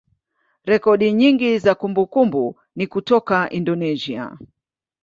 rekodi nyingi za kumbukumbu ni kutoka Indonesia.